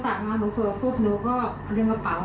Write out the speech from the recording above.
หนูก็เห็นหนูก็ยายคุยไปคุยมาคุยโทรศัพท์มาหนูก็